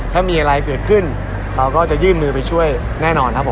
ถ้ามีอะไรเกิดขึ้นเราก็จะยื่นมือไปช่วยแน่นอนครับผม